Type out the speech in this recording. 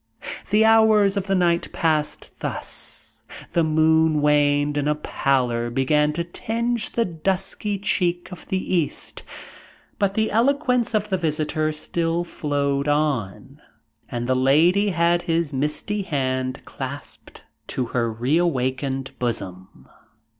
The hours of the night passed thus: the moon waned, and a pallor began to tinge the dusky cheek of the east, but the eloquence of the visitor still flowed on, and the Lady had his misty hands clasped to her reawakened bosom.